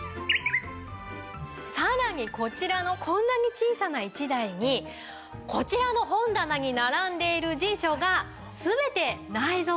さらにこちらのこんなに小さな一台にこちらの本棚に並んでいる辞書が全て内蔵されているんです。